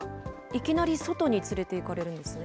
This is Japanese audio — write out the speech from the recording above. いきなり外に連れていかれるんですね。